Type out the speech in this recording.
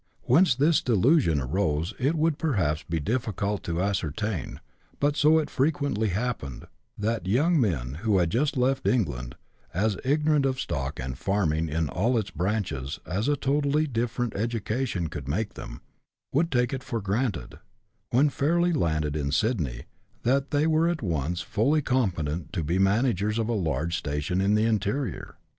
Whence this delu sion arose it would perhaps be difficult to ascertain, but so it frequently happened, that young men, who had just left England, as ignorant of stock and farming in all its branches as a totally different education could make them, would take it for granted, when fairly landed in Sydney, that they were at once fully com petent to be the managers of a large station in the interior.